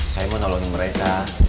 saya mau nolong mereka